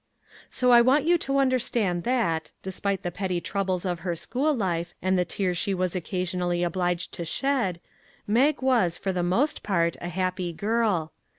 So I want you to understand that, despite the petty troubles of her school life, and the tears she was occasionally obliged to shed, Mag was, for the most part, a happy girl.